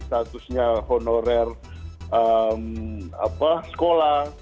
statusnya honorer sekolah